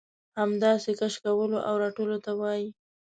همداسې کش کولو او رټلو ته وايي.